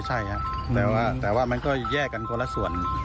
ใช่ครับแต่ว่ามันก็แยกกันคนละส่วน